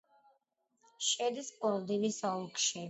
შედის პლოვდივის ოლქში.